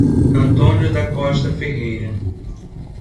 Antônio da Costa Ferreira